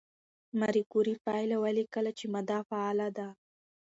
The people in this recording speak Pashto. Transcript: ماري کوري پایله ولیکله چې ماده فعاله ده.